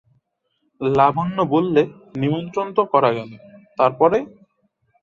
লাবণ্য বললে, নিমন্ত্রণ তো করা গেল, তার পরে?